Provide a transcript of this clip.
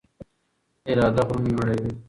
اراده غرونه نړوي.